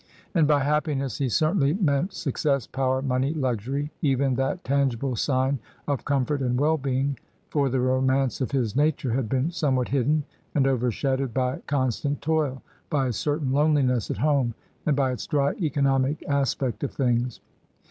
And by happiness he certainly meant success, power, money, luxury, even that tangible sign of comfort and well being, for the romance of his nature had been somewhat hidden and over shadowed by con stant toil, by a certain loneliness at home, and by its dry economic aspect of things.